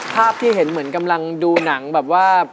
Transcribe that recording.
ภาพที่เห็นเหมือนกำลังดูหนังแบบว่า